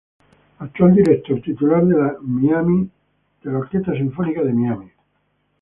Actual Director Titular de la Miami Symphony Orchestra.